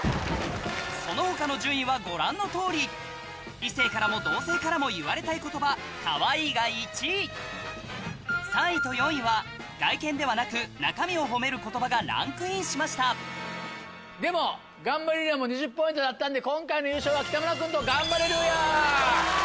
その他の順位はご覧のとおり異性からも同性からも言われたい言葉「かわいい」が１位３位と４位は外見ではなく中身を褒める言葉がランクインしましたでもガンバレルーヤも２０ポイントだったんで今回の。